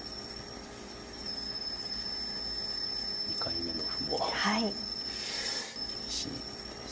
２回目の歩も厳しいです。